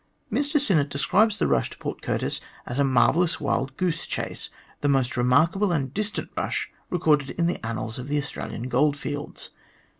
Mr Sinnett describes the rush to Port Curtis as a mar vellous wild goose chase, the most remarkable and distant rush recorded in the annals of the Australian goldfields.